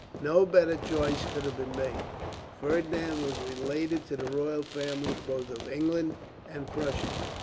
No better choice could have been made. Ferdinand was related to the royal families both of England and Prussia.